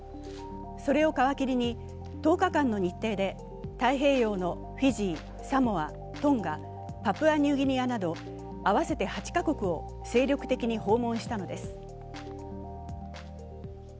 それを皮切りに１０日間の日程で太平洋のフィジー、サモア、トンガ、パプアニューギニアなど合わせて８カ国を精力的に訪問したのです。